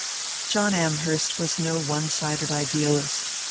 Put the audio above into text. IV JOHN AMHERST was no one sided idealist.